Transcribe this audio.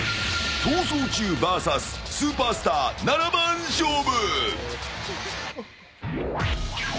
「逃走中ｖｓスーパースター７番勝負」。